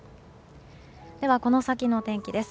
では、この先の天気です。